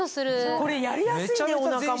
これやりやすいねお腹も。